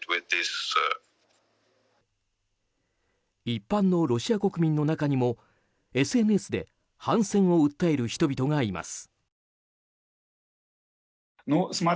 一般のロシア国民の中にもＳＮＳで反戦を訴える人々がいます。